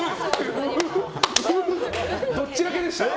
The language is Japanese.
どっちらけでした？